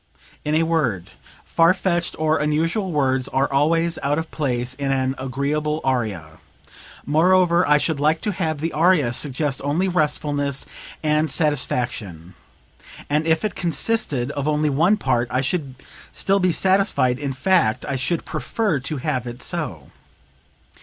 "In a word: far fetched or unusual words are always out of place in an agreeable aria; moreover, I should like to have the aria suggest only restfulness and satisfaction; and if it consisted of only one part I should still be satisfied in fact, I should prefer to have it so."